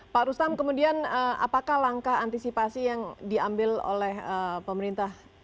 pak rustam kemudian apakah langkah antisipasi yang diambil oleh pemerintah